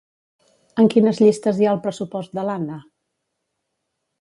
En quines llistes hi ha el pressupost de l'Anna?